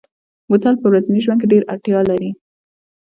بوتل په ورځني ژوند کې ډېره اړتیا لري.